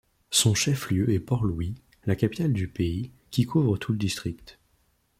Son chef-lieu est Port-Louis, la capitale du pays, qui couvre tout le district.